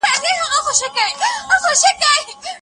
سياست داسي لوبه ده چي پای نه لري.